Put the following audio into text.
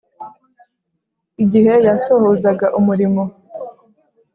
Igihe yasohozaga umurimo